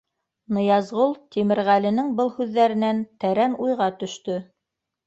Ныязғол Тимерғәленең был һүҙҙәренән тәрән уйға төштө.